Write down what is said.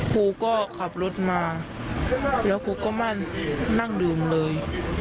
ครูก็ขับรถมาแล้วครูก็มานั่งดื่มเลย